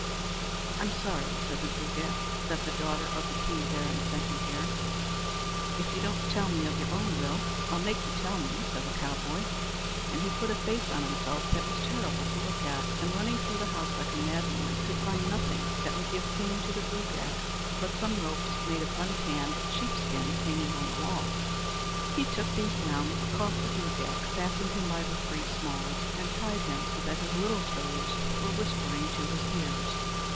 "I'm sorry," said the Gruagach, "that the daughter of the king of Erin sent you here." "If you don't tell me of your own will, I'll make you tell me," said the cowboy; and he put a face on himself that was terrible to look at, and, running through the house like a madman, could find nothing that would give pain enough to the Gruagach but some ropes made of untanned sheep skin hanging on the wall. He took these down, caught the Gruagach, fastened him by the three smalls, and tied him so that his little toes were whispering to his ears.